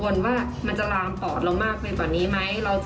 คือว่ามันจะลามปอดเรามากไปตอนนี้มั้ย